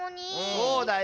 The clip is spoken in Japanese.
そうだよ。